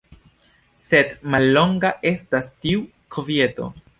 Sed mallonga estas tiu kvieto.